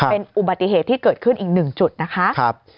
เป็นอุบัติเหตุที่เกิดขึ้นอีกหนึ่งจุดนะคะ